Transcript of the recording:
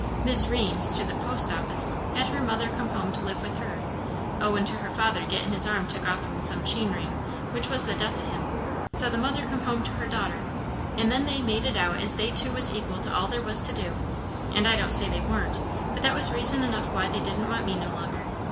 Mis' Reems, to the post office, had her mother come home to live with her; owin' to her father gettin' his arm took off in some 'chinery, which was the death o' him; so the mother come home to her daughter, and then they made it out as they two was equal to all there was to do; and I don't say they warn't; but that was reason enough why they didn't want me no longer.